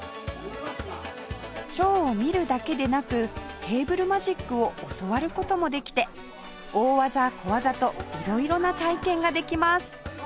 ショーを見るだけでなくテーブルマジックを教わる事もできて大技小技と色々な体験ができます